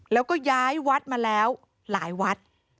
แล้วก็ย้ายวัดมาแล้วหลายวัด